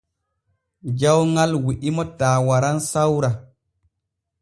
Jawŋal wi’imo taa waran sawra.